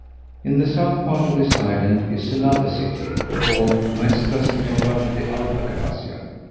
In the south part of this island is another city, called Nuestra Sennora de Alta Gracia.